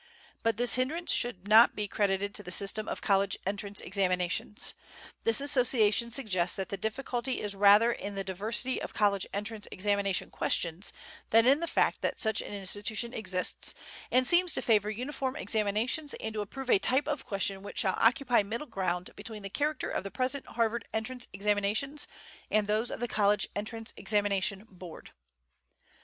But this hindrance should not be credited to the system of college entrance examinations. This association suggests that the difficulty is rather in the diversity of college entrance examination questions than in the fact that such an institution exists, and seems to favor uniform examinations and to approve a type of question which shall occupy middle ground between the character of the present Harvard entrance examinations and those of the College Entrance Examination Board.